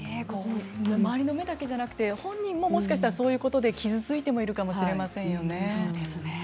周りの目だけじゃなくて本人も、もしかしたらそういうことで傷ついているかもしれませんよね。